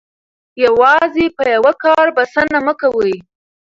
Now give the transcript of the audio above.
یوازې په یو کار بسنه مه کوئ.